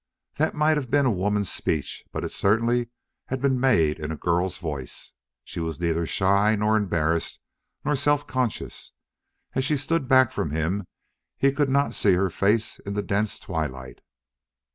That might have been a woman's speech, but it certainly had been made in a girl's voice. She was neither shy nor embarrassed nor self conscious. As she stood back from him he could not see her face in the dense twilight.